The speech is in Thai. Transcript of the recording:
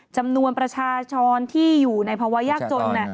จำนวนประชาชนที่อยู่ในภาวะยากจน